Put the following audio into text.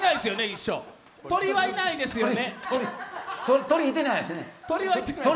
鳥はいないですよね？